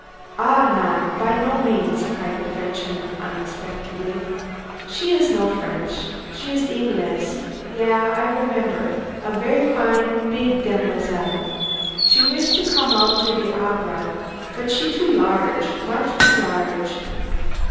"Ah, non; by no means," cried the Frenchman unexpectedly. "She no French. She Englees yis I remembers. A ver' fine and big demoiselle. She wish to come out at de opera. But she too large mooch too large.